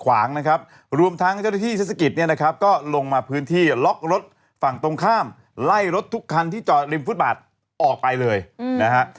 ขวางนะครับรวมทั้งเจ้าหน้าที่เทศกิจเนี่ยนะครับก็ลงมาพื้นที่ล็อกรถฝั่งตรงข้ามไล่รถทุกคันที่จอดริมฟุตบาทออกไปเลยนะฮะ